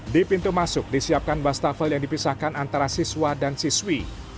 di pintu masuk disiapkan bustafel yang dipisahkan antara siswa dan siswi